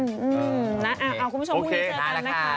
คุณผู้ชมพรุ่งนี้เจอกันนะคะ